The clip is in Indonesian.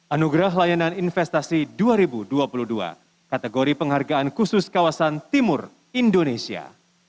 anugerah layanan investasi dua ribu dua puluh dua kategori penghargaan khusus kawasan timur indonesia